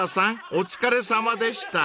お疲れさまでした］